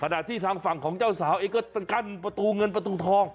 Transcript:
ที่ทางฝั่งของเจ้าสาวเองก็กั้นประตูเงินประตูทอง